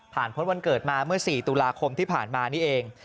พ้นวันเกิดมาเมื่อ๔ตุลาคมที่ผ่านมานี่เอง